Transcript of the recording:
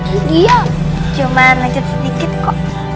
iya cuma macet sedikit kok